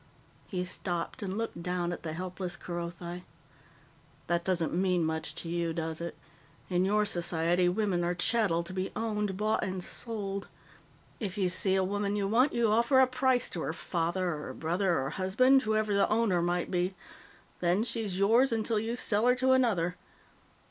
He stopped and looked down at the helpless Kerothi. "That doesn't mean much to you, does it? In your society, women are chattel, to be owned, bought, and sold. If you see a woman you want, you offer a price to her father or brother or husband whoever the owner might be. Then she's yours until you sell her to another.